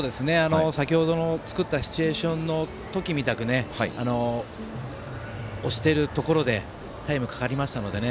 先ほどの作ったシチュエーションの時みたく押してるところでタイムかかりましたのでね。